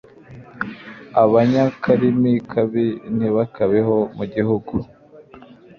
Abanyakarimi kabi ntibakabeho mu gihugu